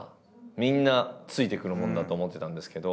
みんなついてくるもんだと思ってたんですけど。